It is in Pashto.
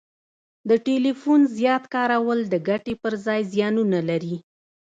د ټلیفون زیات کارول د ګټي پر ځای زیانونه لري